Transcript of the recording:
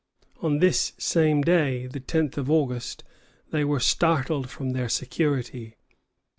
On this same day, the tenth of August, they were startled from their security.